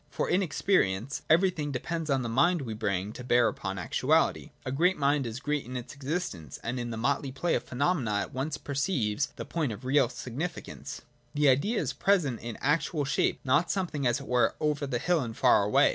For in experience everything depends upon the mind we bring to bear upon J4.J LOGICAL TRUTH. 53 actuality. A great mind is great in its experience ; and in the motley play of phenomena at once perceives the point of real significance. The idea is present, in actual shape, not something, as it were, over the hill and far away.